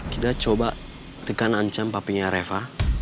kita coba tekanan ancam papinya reva